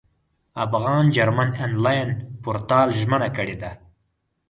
افغان جرمن انلاین پورتال ژمنه کړې ده.